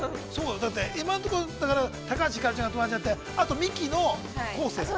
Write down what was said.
だって、今のとこ高橋ひかるちゃんが友達になってあとミキの昴生さん。